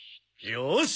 よし！